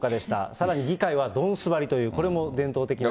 さらに議会は緞子張りという、これも伝統的な。